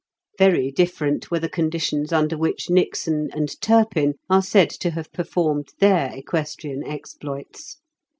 Very difibrent were the conditions under which Nixon and Turpin are said to have performed their equestrian exploits.